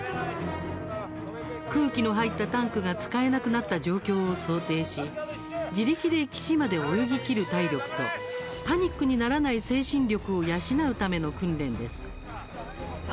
空気の入ったタンクが使えなくなった状況を想定し自力で岸まで泳ぎきる体力とパニックにならない精神力を養うための訓練です。